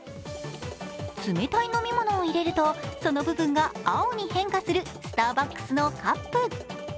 冷たい飲み物を入れるとその部分が青に変化するスターバックスのカップ。